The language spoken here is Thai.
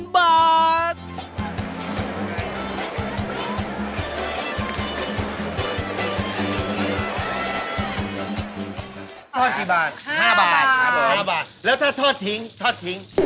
ถอดที่บาท๓บาท๕บาท๕บาท๕บาทและถ้าถอดถิงถอดถิง